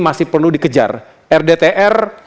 masih perlu dikejar rdtr